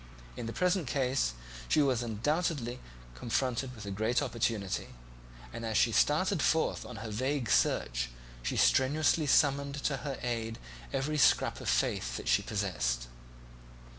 In the present case she was undoubtedly confronted with a great opportunity, and as she started forth on her vague search she strenuously summoned to her aid every scrap of faith that she possessed.